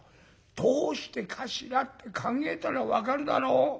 「どうしてかしらって考えたら分かるだろ？